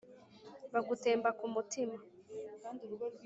Bugutemba ku mutima.